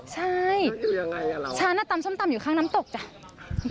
ใช่ฉันน่ะตำช้อมตำอยู่ข้างน้ำตกจ้ะใช่หรือยังไงกับเรา